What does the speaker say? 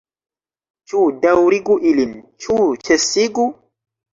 Ĉu daŭrigu ilin, ĉu ĉesigu?